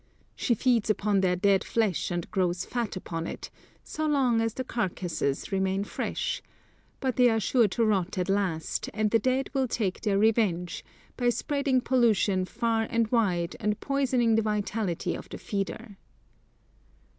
She feeds upon their dead flesh and grows fat upon it, so long as the carcasses remain fresh, but they are sure to rot at last, and the dead will take their revenge, by spreading pollution far and wide and poisoning the vitality of the feeder.